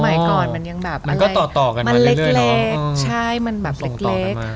สมัยก่อนมันยังแบบมันเล็กใช่มันแบบเล็ก